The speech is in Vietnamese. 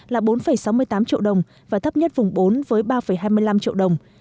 là bốn sáu mươi tám triệu đồng và thấp nhất vùng bốn với ba hai mươi năm triệu đồng